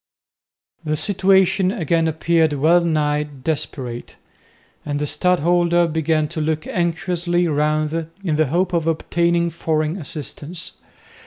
The situation again appeared well nigh desperate, and the stadholder began to look anxiously round in the hope of obtaining foreign assistance.